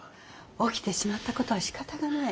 起きてしまったことはしかたがない。